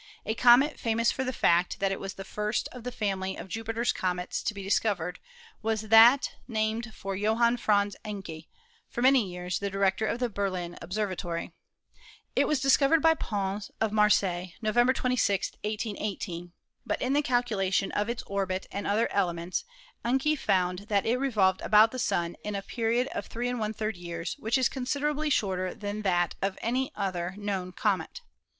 A comet famous for the fact that it was the first of the family of Jupiter's comets to be discovered was that named for Johann Franz Encke, for many years 236 ASTRONOMY director of the Berlin Observatory. It was discovered by Pons of Marseilles, November 26, 1818, but in the calcu lation of its orbit and other elements Encke found that it revolved about the Sun in a period of 3^ years, which is considerably shorter than that of any other known Fig. 32 — The Orbit of Encke's Comet. comet.